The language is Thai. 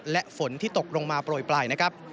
และฝนที่ตกลงมาปล่อยปล่าย